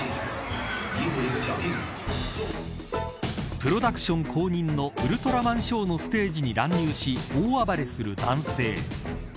プロダクション公認のウルトラマンショーのステージに乱入し大暴れする男性。